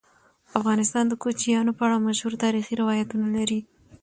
افغانستان د کوچیانو په اړه مشهور تاریخی روایتونه لري.